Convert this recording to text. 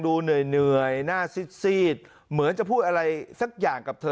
ดูเหนื่อยหน้าซีดเหมือนจะพูดอะไรสักอย่างกับเธอ